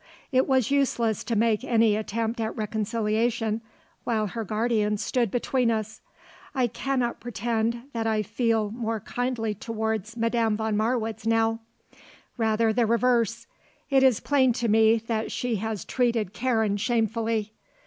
It was useless to make any attempt at reconciliation while her guardian stood between us. I cannot pretend that I feel more kindly towards Madame von Marwitz now; rather the reverse. It is plain to me that she has treated Karen shamefully.